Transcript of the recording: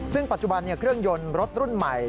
ซึ่งปัจจุบันเครื่องยนต์รถรุ่นใหม่